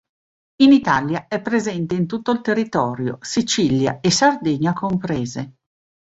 In Italia è presente in tutto il territorio, Sicilia e Sardegna comprese.